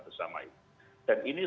bersama itu dan ini